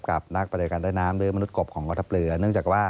กับนักประตูการณ์ด้วยน้ำหรือมนุษย์กบของครองทัพเรือ